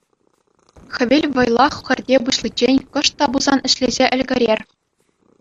Хӗвел вӑйлах хӗрте пуҫличчен кӑшт та пулсан ӗҫлесе ӗлкӗрер.